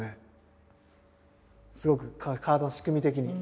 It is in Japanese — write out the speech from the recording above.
すごく体の仕組み的に。